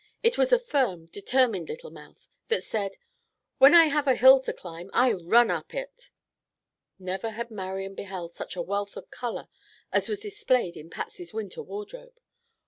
It was a firm, determined little mouth that said: "When I have a hill to climb I run up it." Never had Marian beheld such a wealth of color as was displayed in Patsy's winter wardrobe.